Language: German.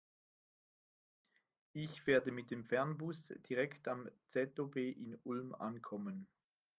Ich werde mit dem Fernbus direkt am ZOB in Ulm ankommen.